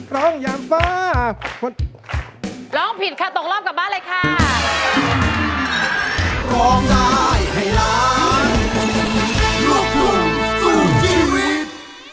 ร้องได้ให้ร้านลูกหนูสู้ชีวิต